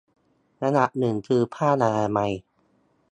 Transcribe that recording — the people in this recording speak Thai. อันดับหนึ่งคือผ้าอนามัย